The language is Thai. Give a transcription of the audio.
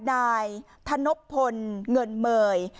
นายธนบพลเงินเมย